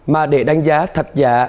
mà để đánh giá thật giả